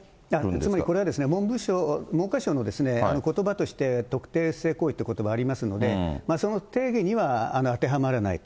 つまりこれは、文科省のことばとして特定不正行為ということばがありますので、その定義には当てはまらないと。